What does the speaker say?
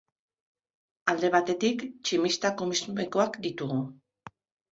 Alde batetik, tximista kosmikoak ditugu.